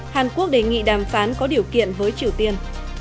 hàn quốc đề nghị đàm phán có điều kiện với triều tiên